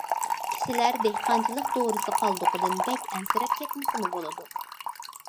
كىشىلەر دېھقانچىلىق دورىسى قالدۇقىدىن بەك ئەنسىرەپ كەتمىسىمۇ بولىدۇ.